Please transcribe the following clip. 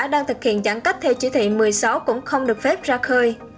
đang thực hiện giãn cách theo chỉ thị một mươi sáu cũng không được phép ra khơi